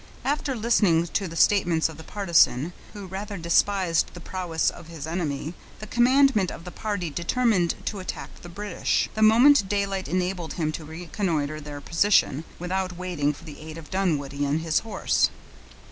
After listening to the statements of the partisan, who rather despised the prowess of his enemy, the commandant of the party determined to attack the British, the moment daylight enabled him to reconnoiter their position, without waiting for the aid of Dunwoodie and his horse.